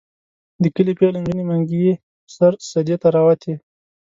د کلي پېغلې نجونې منګي په سر سدې ته راوتې.